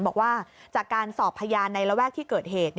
บอกว่าจากการสอบพยานในระแวกที่เกิดเหตุ